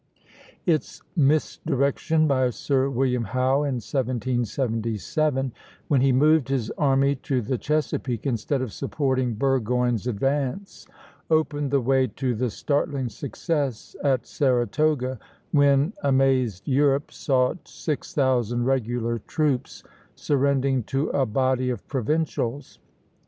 Its misdirection by Sir William Howe in 1777, when he moved his army to the Chesapeake instead of supporting Burgoyne's advance, opened the way to the startling success at Saratoga, when amazed Europe saw six thousand regular troops surrendering to a body of provincials.